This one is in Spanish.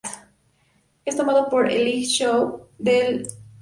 Es tomado por Elijah Snow del estante de libros de Sherlock Holmes.